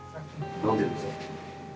何でですか？